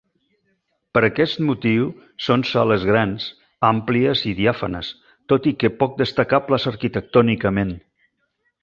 Per aquest motiu són sales grans, àmplies i diàfanes, tot i que poc destacables arquitectònicament.